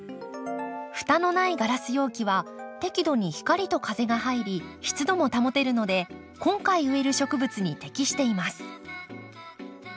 蓋のないガラス容器は適度に光と風が入り湿度も保てるので今回植える植物に適しています。